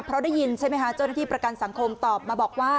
เพราะได้ยินใช่ไหมคะเจ้าหน้าที่ประกันสังคมตอบมาบอกว่า